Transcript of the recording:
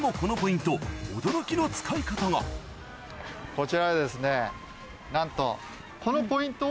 こちらはですねなんと。